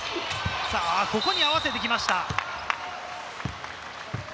ここに合わせてきました。